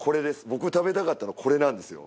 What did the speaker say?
僕食べたかったのこれなんですよ！